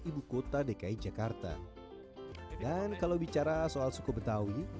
ibukota dki jakarta dan kalau bicara soal suku betawi dan lengkap jika